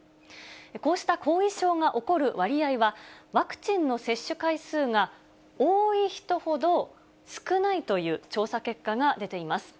こうした後遺症が起こる割合は、ワクチンの接種回数が多い人ほど少ないという調査結果が出ています。